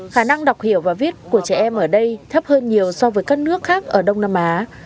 khả năng đọc hiểu và viết của trẻ em ở đây thấp hơn nhiều so với các nước khác ở đông nam á